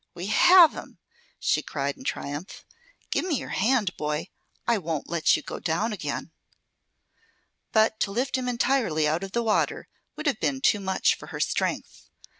We have him!" she cried, in triumph. "Give me your hand, boy! I won't let you go down again." But to lift him entirely out of the water would have been too much for her strength.